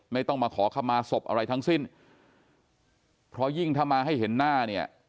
ไม่ต้องมาขอคำมาศพอะไรทั้งสิ้นเพราะยิ่งถ้ามาให้เห็นหน้าเนี่ย